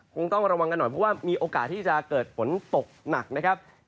คงต้องระวังกันหน่อยเพราะว่ามีโอกาสที่จะเกิดฝนตกหนักนะครับ